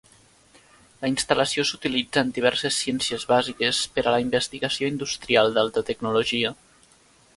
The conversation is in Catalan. La instal·lació s'utilitza en diverses ciències bàsiques per a la investigació industrial d'alta tecnologia.